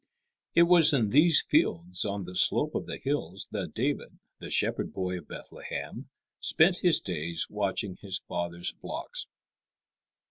It was in these fields on the slope of the hills that David, the shepherd boy of Bethlehem, spent his days watching his father's flocks.